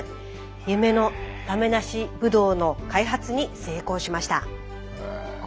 夢の種なしブドウの開発に成功しました。